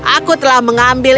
aku telah mengambil